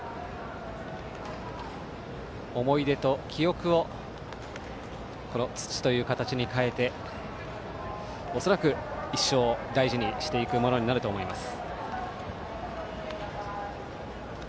思い出と記憶をこの土という形に変えて恐らく一生大事にしていくものになると思います。